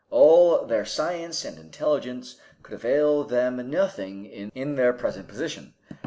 All their science and intelligence could avail them nothing in their present position.